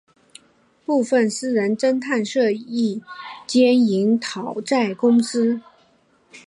部份私家侦探社亦兼营讨债公司。